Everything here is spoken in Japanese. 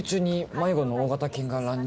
「迷子の大型犬が乱入」